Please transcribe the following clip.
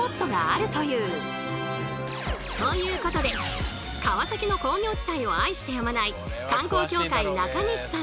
ということで川崎の工業地帯を愛してやまない観光協会中西さんの厳選！